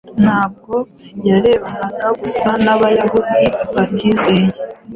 ntabwo yarebanaga gusa n’Abayahudi batizeye,